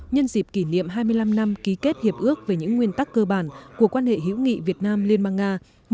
nhân dịp kỷ niệm hai mươi năm năm ký kết hiệp ước về những nguyên tắc cơ bản của quan hệ hữu nghị việt nam liên bang nga